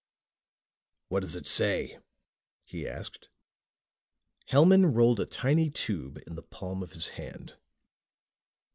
"What does it say?" he asked. Hellman rolled a tiny tube in the palm of his hand.